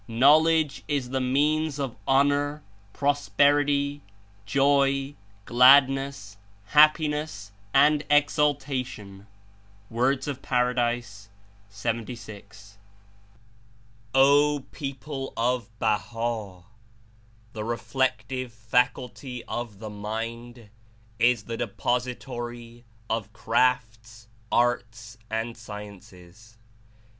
Know ledge Is the means of honor, prosperity, joy, gladness, happiness and exultation." (JT. of P. jd.) "O people of Baha' ! The reflective faculty (o^ the mind) Is the depository of crafts, arts and sciences.